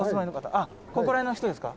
「ここら辺の人ですか？」